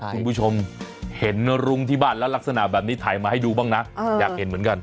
คุณผู้ชมเห็นรุ้งที่บ้านแล้วลักษณะแบบนี้ถ่ายมาให้ดูบ้างนะอยากเห็นเหมือนกัน